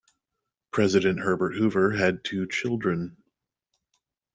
President Herbert Hoover had two children.